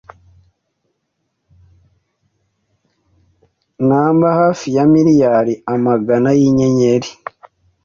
numberHafi ya miliyari amagana yinyenyeri